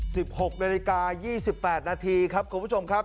หกนาฬิกายี่สิบแปดนาทีครับคุณผู้ชมครับ